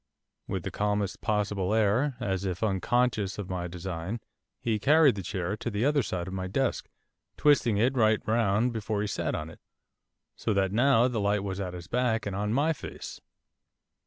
With the calmest possible air, as if unconscious of my design, he carried the chair to the other side of my desk, twisting it right round before he sat on it, so that now the light was at his back and on my face.